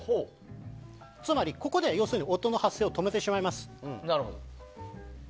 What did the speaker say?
つまり、ここでは音の発生を止めてしまいます。